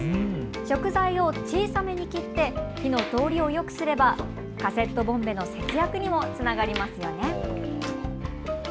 食材を小さめに切って火の通りをよくすればカセットボンベの節約にもつながりますよね。